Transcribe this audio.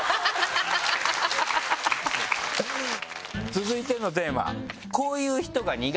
続いてのテーマ。